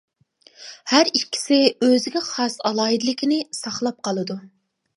ھەر ئىككىسى ئۆزىگە خاس ئالاھىدىلىكىنى ساقلاپ قالىدۇ.